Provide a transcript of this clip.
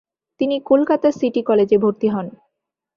তিনি কলকাতা সিটি কলেজে ভর্তি হন।